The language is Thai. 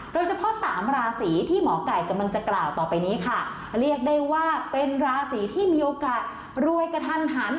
สามราศีที่หมอไก่กำลังจะกล่าวต่อไปนี้ค่ะเรียกได้ว่าเป็นราศีที่มีโอกาสรวยกระทันหัน